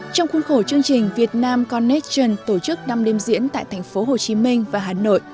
trong khuôn khổ chương trình việt nam con nation tổ chức năm đêm diễn tại thành phố hồ chí minh và hà nội